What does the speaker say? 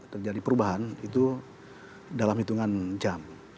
terjadi perubahan itu dalam hitungan jam